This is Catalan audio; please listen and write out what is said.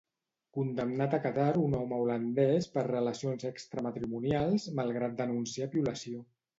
Condemnat a Catar un home holandès per relacions extramatrimonials, malgrat denunciar violació.